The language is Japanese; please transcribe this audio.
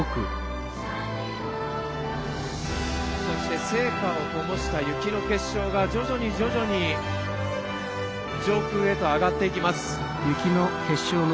そして聖火をともした雪の結晶が徐々に徐々に上空へと上がっていきます。